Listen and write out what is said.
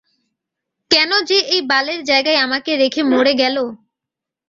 কেন যে এই বালের জায়গায় আমাকে রেখে মরে গেল?